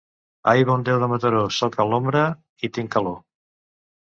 Ai, bon Déu de Mataró!, soc a l'ombra i tinc calor.